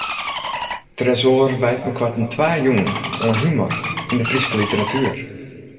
Tresoar wijt meikoarten twa jûnen oan humor yn de Fryske literatuer.